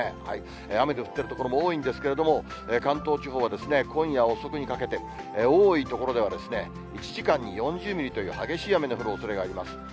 雨が降っている所も多いんですけど、関東地方は今夜遅くにかけて、多い所では、１時間に４０ミリという激しい雨の降るおそれがあります。